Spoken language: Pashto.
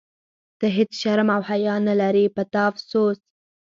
ته هیڅ شرم او حیا نه لرې، په تا افسوس.